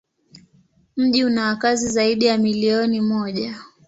Mji una wakazi zaidi ya milioni moja.